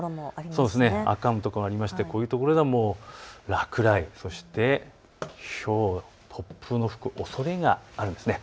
赤の所もあってこういうところが落雷、そしてひょう、突風の吹くおそれがあるんです。